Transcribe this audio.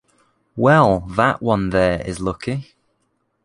Well that one there is lucky.